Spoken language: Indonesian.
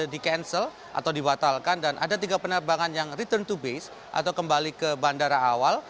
di cancel atau dibatalkan dan ada tiga penerbangan yang return to base atau kembali ke bandara awal